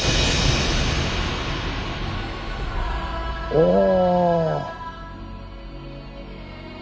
おお！